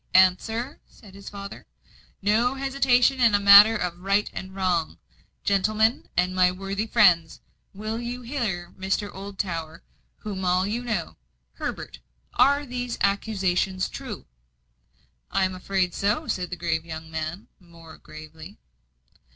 "Answer," said his father. "No hesitation in a matter of right and wrong. Gentlemen, and my worthy friends, will you hear Mr. Oldtower, whom you all know? Herbert, are these accusations true?" "I am afraid so," said the grave young man, more gravely.